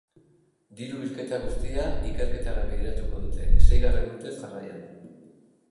Diru-bilketa guztia ikerketara bideratuko dute, seigarren urtez jarraian.